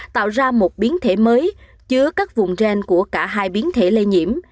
tạo ra một biến thể mới chứa các vùng ren của cả hai biến thể lây nhiễm